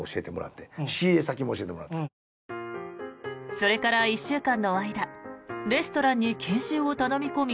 それから１週間の間レストランに研修を頼み込み